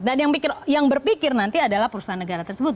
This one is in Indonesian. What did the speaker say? dan yang berpikir nanti adalah perusahaan negara tersebut